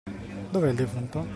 Dov’è il defunto?